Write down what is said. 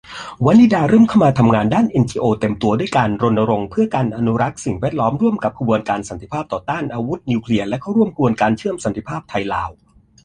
วนิดาเริ่มเข้ามาทำงานด้านเอ็นจีโอเต็มตัว ด้วยการรณรงค์เพื่อการอนุรักษ์สิ่งแวดล้อมร่วมกับขบวนการสันติภาพต่อต้าน อาวุธนิวเคลียร์ และเข้าร่วมขบวนการเชื่อมสันติภาพไทยลาว